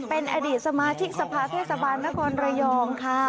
เป็นอดีตสมาชิกสภาเทศบาลนครระยองค่ะ